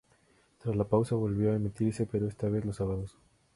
Tras la pausa volvió a emitirse, pero esta vez los sábados.